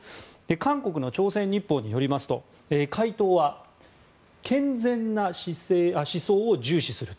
韓国の朝鮮日報によりますと回答は健全な思想を重視する。